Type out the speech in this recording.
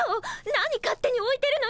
何勝手においてるのよ！